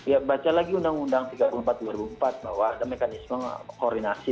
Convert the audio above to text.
ya baca lagi undang undang tiga puluh empat dua ribu empat bahwa ada mekanisme koordinasi